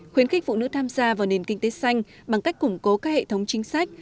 khuyến khích phụ nữ tham gia vào nền kinh tế xanh bằng cách củng cố các hệ thống chính sách